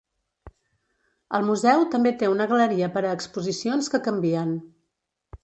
El museu també té una galeria per a exposicions que canvien.